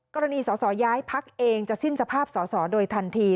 กรณีสอสอย้ายพักเองจะสิ้นสภาพสอสอโดยทันที